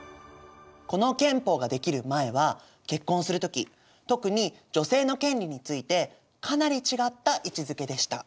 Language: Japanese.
この憲法ができる前は結婚する時特に女性の権利についてかなり違った位置づけでした。